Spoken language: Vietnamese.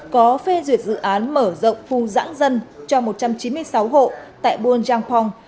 có phê duyệt dự án mở rộng phu giãn dân cho một trăm chín mươi sáu hộ tại buôn giang phong